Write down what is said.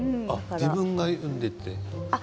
自分が読んでいて？